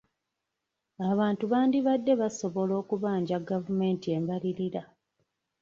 Abantu bandibadde basobola okubanja gavumenti embalirira.